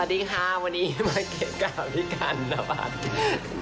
สวัสดีค่ะวันนี้มาแกะก่าพี่กัล